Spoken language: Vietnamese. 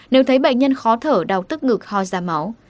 nếu thấy bệnh nhân khó thở đau tức ngực ho ra máu